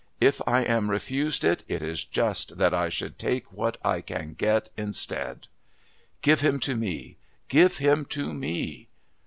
If I am refused it, it is just that I should take what I can get instead." "Give him to me! Give him to me!"